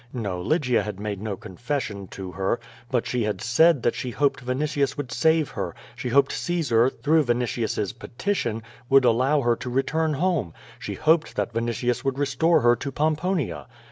No, Lygia had made no confession to her. But she had said that she hoped Vinitius would save her; she hoped Caesar, through Vinitius's petition, would al low her to return home; she hoped that Vinitius would restore her to Pomponia.